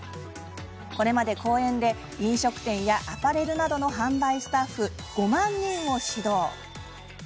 これまで、講演で飲食店やアパレルなどの販売スタッフ５万人を指導。